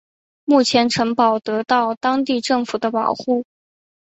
目前城堡得到当地政府的保护。